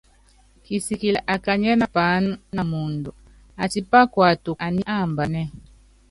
Kisikili akanyiɛ́ na paáná na muundɔ, atípá kuatuku aní ambanɛ́ɛ.